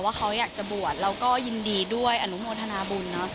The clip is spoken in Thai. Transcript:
ว่าเขาอยากจะบวชเราก็ยินดีด้วยอนุโมทนาบุญเนอะ